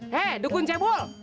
he dukun cebul